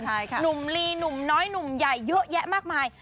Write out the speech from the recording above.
หนุ่มลีหนุ่มน้อยหนุ่มใหญ่เยอะแยะมากมาย